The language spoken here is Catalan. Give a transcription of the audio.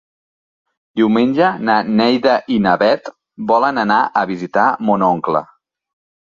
Diumenge na Neida i na Bet volen anar a visitar mon oncle.